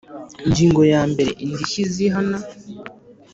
Ingingo ya mbere Indishyi zihana